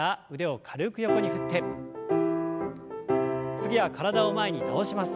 次は体を前に倒します。